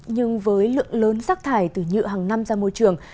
nhưng với lượng lớn rác thải từ nhựa hàng năm ra môi trường